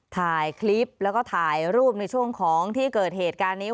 ถ่ายคลิปแล้วก็ถ่ายรูปในช่วงของที่เกิดเหตุการณ์นี้